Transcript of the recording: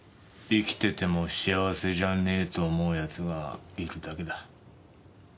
生きてても幸せじゃねえと思う奴がいくだけだ。